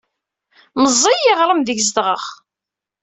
Meẓẓiy yiɣrem aydeg zedɣeɣ.